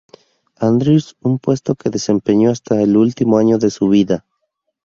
Andrews, un puesto que desempeñó hasta el último año de su vida.